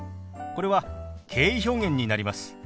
これは敬意表現になります。